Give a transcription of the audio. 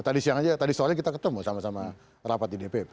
tadi siang aja tadi sore kita ketemu sama sama rapat di dpp